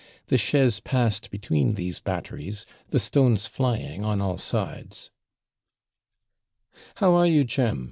The chaise passed between these batteries, the stones flying on all sides. 'How are you, Jem?